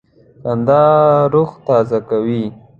خندا روح تازه کوي.